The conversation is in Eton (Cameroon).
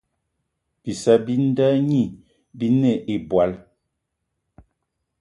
Bissa bi nda gnî binê ìbwal